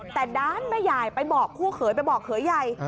แต่ด้านแม่ยายไปบอกคู่เขยไปบอกเขยใหญ่